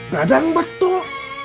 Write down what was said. gak dan betul